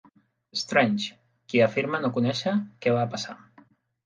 Strange, qui afirma no conèixer què va passar.